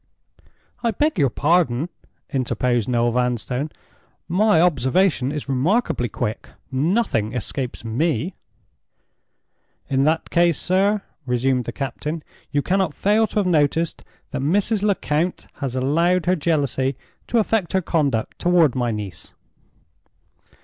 "I beg your pardon," interposed Noel Vanstone; "my observation is remarkably quick. Nothing escapes me." "In that case, sir," resumed the captain, "you cannot fail to have noticed that Mrs. Lecount has allowed her jealousy to affect her conduct toward my niece?"